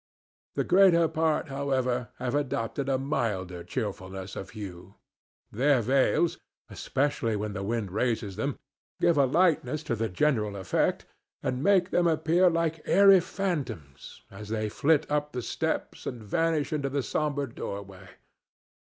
The greater part, however, have adopted a milder cheerfulness of hue. Their veils, especially when the wind raises them, give a lightness to the general effect and make them appear like airy phantoms as they flit up the steps and vanish into the sombre doorway.